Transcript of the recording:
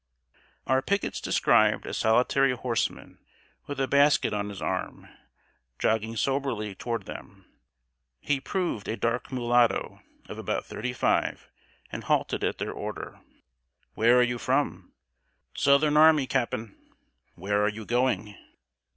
"] Our pickets descried a solitary horseman, with a basket on his arm, jogging soberly toward them. He proved a dark mulatto of about thirty five, and halted at their order. "Where are you from?" "Southern army, Cap'n." "Where are you going?"